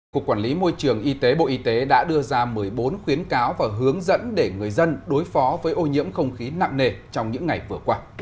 cục quản lý môi trường y tế bộ y tế đã đưa ra một mươi bốn khuyến cáo và hướng dẫn để người dân đối phó với ô nhiễm không khí nặng nề trong những ngày vừa qua